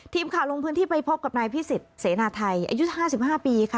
ทีมข่าวลงพื้นที่ไปพบกับนายพิสิทธิ์เสนาไทยอายุ๕๕ปีค่ะ